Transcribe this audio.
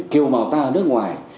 kiều bào ta nước ngoài